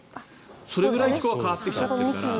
それぐらい気候は変わってきちゃってるから。